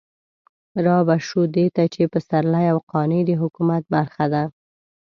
رابه شو دې ته چې پسرلي او قانع د حکومت برخه ده.